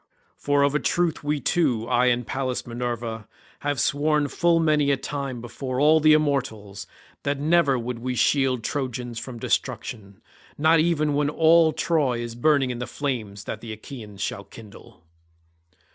For of a truth we two, I and Pallas Minerva, have sworn full many a time before all the immortals, that never would we shield Trojans from destruction, not even when all Troy is burning in the flames that the Achaeans shall kindle."